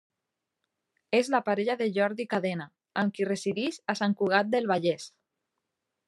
És la parella de Jordi Cadena, amb qui resideix a Sant Cugat del Vallès.